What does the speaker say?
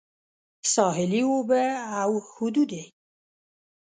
ساحلي اوبه او حدود یې